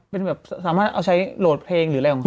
เป็นแบบสามารถเอาใช้โหลดเพลงหรืออะไรของพี่